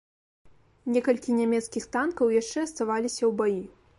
Некалькі нямецкіх танкаў яшчэ аставаліся ў баі.